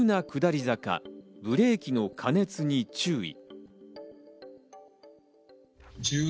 「急な下り坂ブレーキの過熱に注意」。